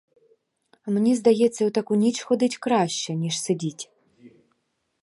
А мені здається, у таку ніч ходить краще, ніж сидіть.